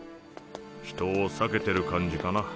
人を避けてる感じかな。